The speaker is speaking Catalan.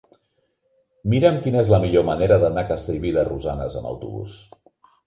Mira'm quina és la millor manera d'anar a Castellví de Rosanes amb autobús.